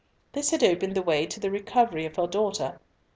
This had opened the way to the recovery of her daughter.